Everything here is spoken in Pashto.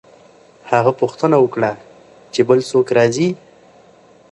هغه پوښتنه وکړه چې بل څوک راځي؟